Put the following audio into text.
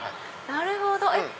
なるほど！